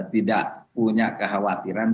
tidak punya kekhawatiran